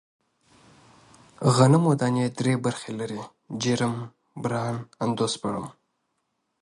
غنمو دانې درې برخې لري: جرم، بران، اندوسپرم.